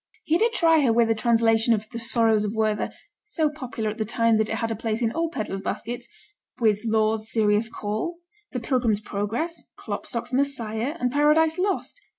He did try her with the translation of the Sorrows of Werther, so popular at the time that it had a place in all pedlars' baskets, with Law's Serious Call, the Pilgrim's Progress, Klopstock's Messiah, and Paradise Lost.